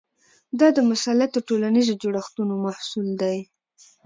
دا د مسلطو ټولنیزو جوړښتونو محصول دی.